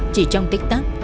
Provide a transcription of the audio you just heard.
chỉ trong tích tắc